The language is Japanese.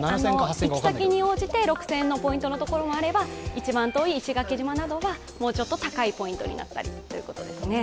行き先に応じて６０００のポイントのところもあれば一番遠い石垣島などはもうちょっと高いポイントになったりということですね。